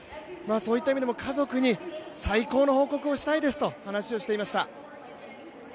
そういった意味でも家族に最高の報告をしたいですと話をしていました。